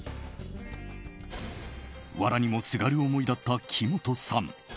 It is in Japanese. わらにもすがる思いだった木本さん。